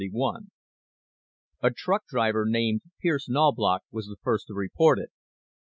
A truck driver named Pierce Knaubloch was the first to report it.